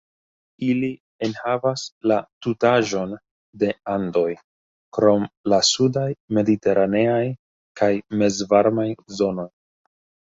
Ili enhavas la tutaĵon de Andoj krom la sudaj mediteraneaj kaj mezvarmaj zonoj.